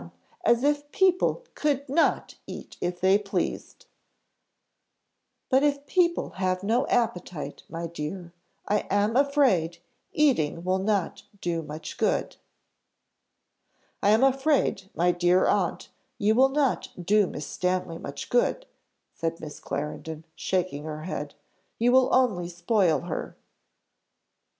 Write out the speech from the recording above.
As if people could not eat if they pleased." "But if people have no appetite, my dear, I am afraid eating will not do much good." "I am afraid, my dear aunt, you will not do Miss Stanley much good," said Miss Clarendon, shaking her head; "you will only spoil her."